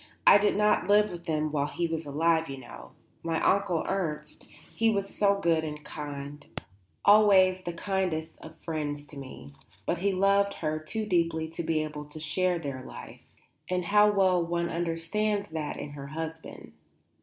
I did not live with them while he was alive, you know, my Onkel Ernst; he was so good and kind always the kindest of friends to me; but he loved her too deeply to be able to share their life, and how well one understands that in her husband.